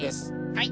はい！